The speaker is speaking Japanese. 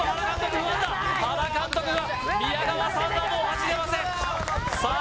不安だ原監督が宮川さんはもう走れませんさあ